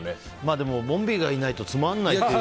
でもボンビーがいないとつまんないっていう。